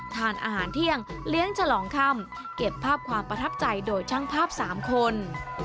ทานอาหารเที่ยงเลี้ยงฉลองค่ำเก็บภาพความประทับใจโดยช่างภาพ๓คน